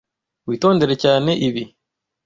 Witondere cyane ibi.